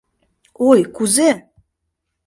Ой, кузе